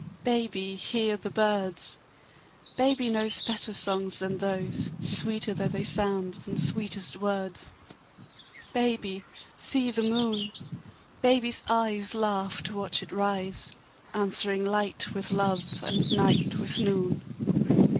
Baby, hear the birds! Baby knows Better songs than those, Sweeter though they sound than sweetest words. Baby, see the moon! Baby's eyes Laugh to watch it rise, Answering light with love and night with noon.